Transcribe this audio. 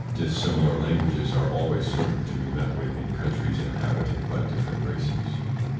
Dissimilar languages are always certain to be met with in countries inhabited by different races.